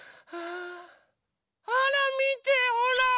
あらみてほら！